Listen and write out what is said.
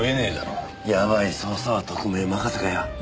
やばい捜査は特命任せかよ。